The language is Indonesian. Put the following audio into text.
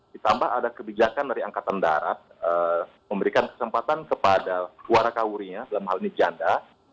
ditambah ada kebijakan dari angkatan darat memberikan kesempatan kepada warakauria dalam hal ini janda